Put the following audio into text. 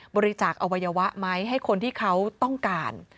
บริจาคอวัยวะไหมให้คนที่เขาต้องการ